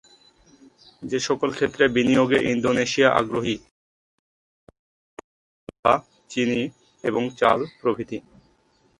যেসকল ক্ষেত্রে বিনিয়োগে ইন্দোনেশিয়া আগ্রহী তার মধ্যে উল্লেখযোগ্য হল তুলা, চিনি এবং চাল প্রভৃতি।